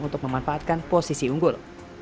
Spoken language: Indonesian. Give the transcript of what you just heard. untuk memanfaatkan posisi unggul